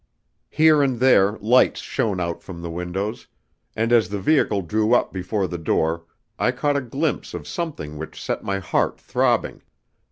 Here and there lights shone out from the windows, and as the vehicle drew up before the door I caught a glimpse of something which set my heart throbbing.